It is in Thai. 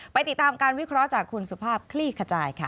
ติดตามการวิเคราะห์จากคุณสุภาพคลี่ขจายค่ะ